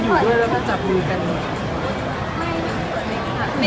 ช่องความหล่อของพี่ต้องการอันนี้นะครับ